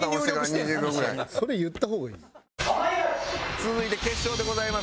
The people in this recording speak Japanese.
続いて決勝でございますね。